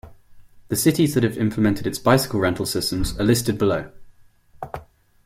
The cities that have implemented its bicycle rental systems are listed below.